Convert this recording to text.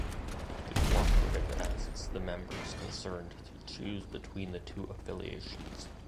The cooperative asks the members concerned to choose between the two affiliations.